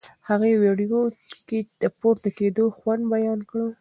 هغې ویډیو کې د پورته کېدو خوند بیان کړ.